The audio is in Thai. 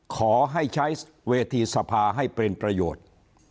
ขอให้ใช้เวทีสภาให้เป็นประโยชน์